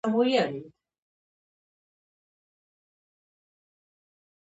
იკვებება თევზით, რომელსაც კლავს ძლიერ ტოქსიკური შხამით.